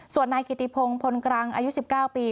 ส่วนนายกิติพงศ์พลกรังอายุ๑๙ปี